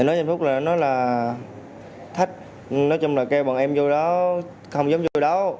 nói trên facebook là nó là thách nói chung là kêu bọn em vô đó không dám vô đó